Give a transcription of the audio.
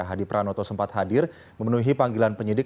hadi pranoto sempat hadir memenuhi panggilan penyidik